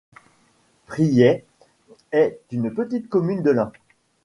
Priay est une petite commune de l'Ain.